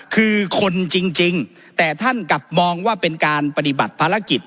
คือคนจริงแต่ท่านกลับมองว่าเป็นการปฏิบัติภารกิจ